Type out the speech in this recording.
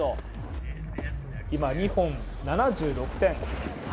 今２本、７６点。